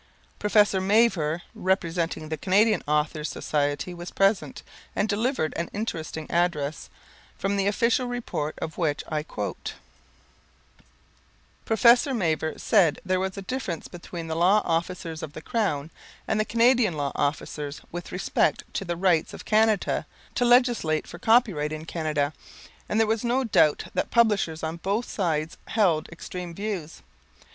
Professor Mavor, representing the Canadian Authors' Society was present, and delivered an interesting address, from the official report of which I quote: "Professor Mavor said there was a difference between the law officers of the Crown and the Canadian law officers with respect to the rights of Canada to legislate for copyright in Canada, and there was no doubt that publishers on both sides held extreme views.